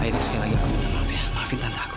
aida sekali lagi maafin tante aku